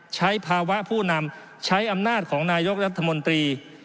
ใช้ภาวะผู้นำใช้อำนาจของนายกรัฐมนตรี